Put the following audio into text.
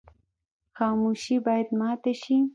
خاموشي باید ماته شي.